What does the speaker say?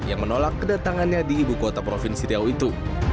yang menolak kedatangannya di ibu kota provinsi riau itu